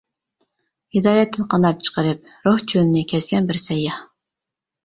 ھىدايەتتىن قانات چىقىرىپ، روھ چۆلىنى كەزگەن بىر سەيياھ.